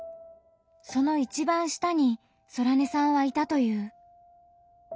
その一番下にソラネさんはいたという。